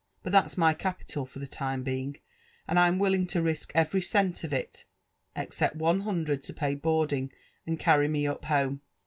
But that's ny capital for the time being, and I'm willing to risk every cent of it, except one hundred to pay boarding and carry me up home.